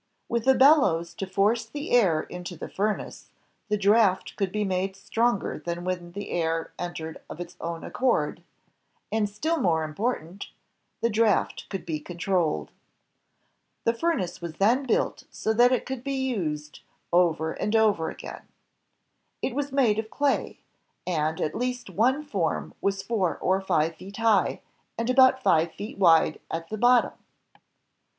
With a bellows to force the air into the fur nace, the draft could be made stronger tha n when the air entered of its own accord, and still more important, the draft could be controlled. The furnace was then built so that it could be used over CHAKCOAL PIT l64 INVENTIONS OF MANUFACTURE AND PRODUCTION and over again. It was made of clay, and at least one form was four or five feet high and about five feet wide at the bottom.